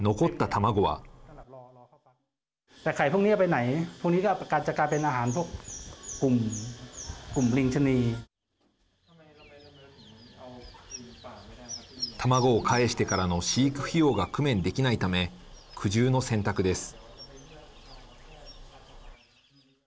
卵をかえしてからの飼育費用が工面できないため苦渋の選択です。